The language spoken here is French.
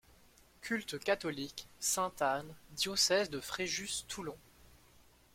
Culte catholique, Sainte-Anne, Diocèse de Fréjus-Toulon.